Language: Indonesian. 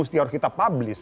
tidak harus kita publis